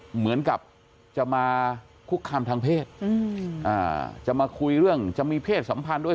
เหมือนกับจะมาคุกคามทางเพศจะมาคุยเรื่องจะมีเพศสัมพันธ์ด้วย